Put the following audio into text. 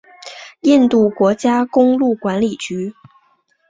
印度国家公路管理局。